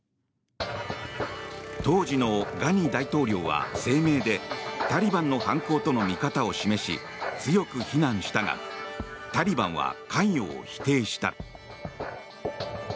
当時のガニ大統領は声明でタリバンの犯行との見方を示し強く非難したがタリバンは関与を否定した。